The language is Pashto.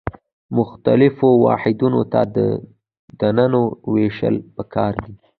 مختلفو واحدونو ته د دندو ویشل پکار دي.